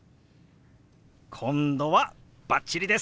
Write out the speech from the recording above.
今度はバッチリです！